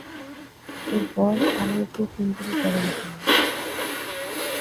এরপর, আরও একটি সেঞ্চুরি করেন তিনি।